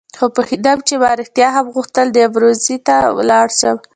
خو پوهېده چې ما رښتیا هم غوښتل ابروزي ته ولاړ شم.